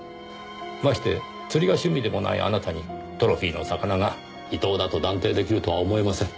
まして釣りが趣味でもないあなたにトロフィーの魚がイトウだと断定出来るとは思えません。